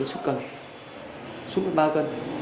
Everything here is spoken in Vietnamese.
súc cân súc ba cân